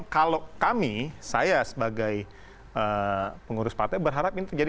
kalau kami saya sebagai pengurus partai berharap ini terjadi